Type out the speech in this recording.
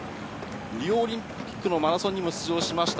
リオオリンピックのマラソンにも出場しました、